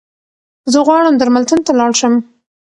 زه غواړم درملتون ته لاړشم